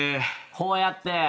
こうやって？